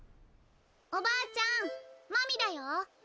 おばあちゃん真美だよ。